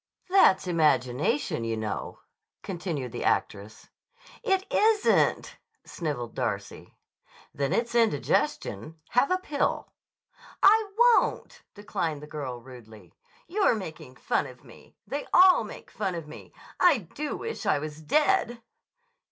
"That's imagination, you know," continued the actress. "It isn't," snivelled Darcy. "Then it's indigestion. Have a pill." "I won't!" declined the girl rudely. "You're making fun of me. They all make fun of me. I do wish I was dead!"